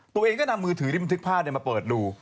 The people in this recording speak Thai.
ตัวเองก็นำมือถือที่บันทึกภาพมาเปิดดู